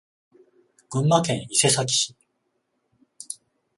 群馬県伊勢崎市